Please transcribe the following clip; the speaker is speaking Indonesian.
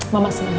mama senang ya